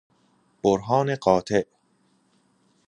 برهان قاطع